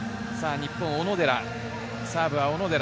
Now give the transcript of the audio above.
日本・小野寺。